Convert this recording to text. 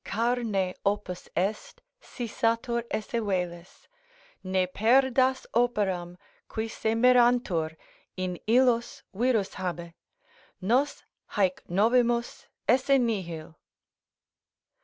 carne opus est, si satur esse velis. Ne perdas operam; qui se mirantur, in illos Virus habe; nos haec novimus esse nihil."